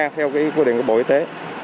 theo quy định của bộ y tế